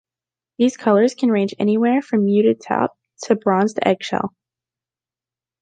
These colors can range anywhere from a muted taupe to a bronzed eggshell.